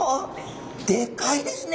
でかいですね！